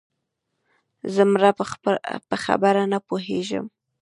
ځه مړه په خبره نه پوهېږې